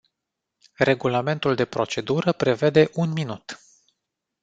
Regulamentul de procedură prevede un minut.